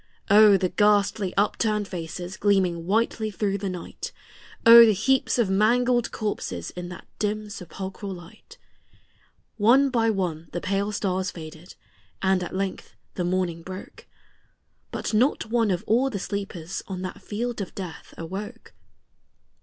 O, the ghastly upturned faces gleaming whitely through the night! O, the heaps of mangled corses in that dim sepulchral light! One by one the pale stars faded, and at length the morning broke; But not one of all the sleepers on that field of death awoke.